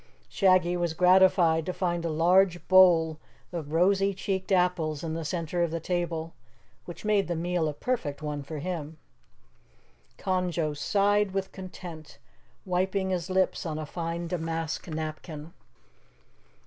Shaggy was gratified to find a large bowl of rosey cheeked apples in the center of the table, which made the meal a perfect one for him. Conjo sighed with content, wiping his lips on a fine damask napkin.